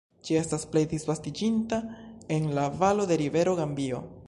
Ĝi estas plej disvastiĝinta en la valo de rivero Gambio.